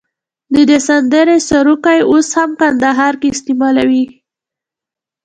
د دې سندرې سروکي اوس هم کندهار کې استعمالوي.